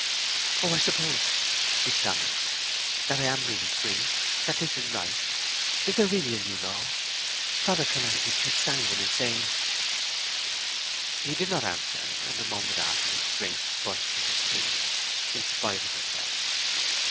"Oh, I suppose," she stammered, "that I am really free?—that this is right? Is there really a new law? Father cannot have been too sanguine in saying—" He did not answer, and a moment afterwards Grace burst into tears in spite of herself.